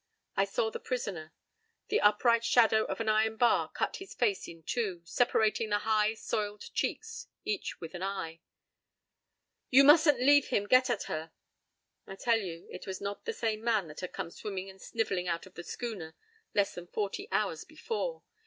I saw the prisoner. The upright shadow of an iron bar cut his face in two, separating the high, soiled cheeks, each with an eye. "You mustn't leave him get at her!" I tell you it was not the same man that had come swimming and sniveling out to the schooner less than forty hours before.